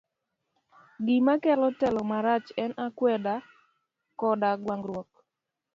Gima kelo telo marach en akwede koda gwandruok.